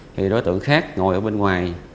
thì đối tượng khác ngồi ở bên ngoài